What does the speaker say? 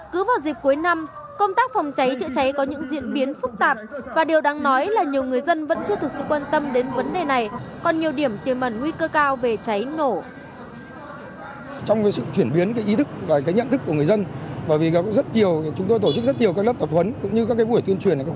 cứ vào dịp cuối năm công tác phòng cháy chữa cháy có những diễn biến phức tạp và điều đáng nói là nhiều người dân vẫn chưa thực sự quan tâm đến vấn đề này còn nhiều điểm tiềm mẩn nguy cơ cao về cháy nổ